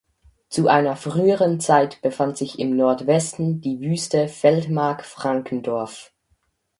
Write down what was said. Zu einer früheren Zeit befand sich im Nordwesten die wüste Feldmark Frankendorf.